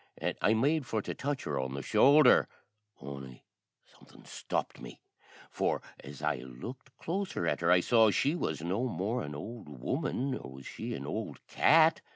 An' I made for to touch her on the shouldher, on'y somethin' stopt me, for as I looked closer at her I saw she was no more an ould woman nor she was an ould cat.